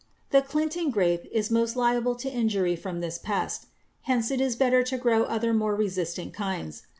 _ The Clinton grape is most liable to injury from this pest. Hence it is better to grow other more resistant kinds.